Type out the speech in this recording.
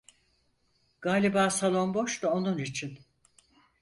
Galiba salon boş da onun için…